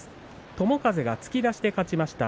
友風が突き出しで勝ちました。